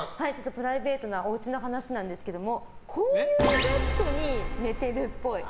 プライベートなおうちの話なんですけどこういうベッドに寝てるっぽい。